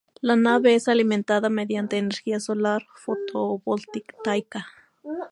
La nave es alimentada mediante energía solar fotovoltaica.